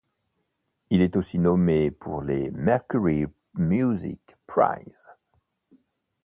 Il est aussi nommé pour les Mercury Music Prize.